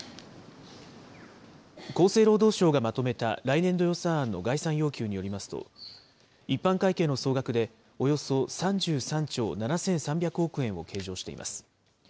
厚生労働省がまとめた来年度予算案の概算要求によりますと、一般会計の総額でおよそ３３兆７３００億円を計上しています。